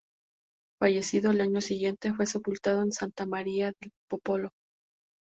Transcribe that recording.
Fallecido el año siguiente, fue sepultado en Santa María del Popolo.